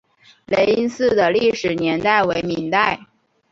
雷音寺的历史年代为明代。